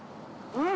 うん。